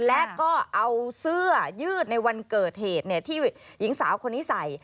และก็เอาเสื้อยืดในวันเกิดเหตุที่หญิงสาวคนนี้ใส่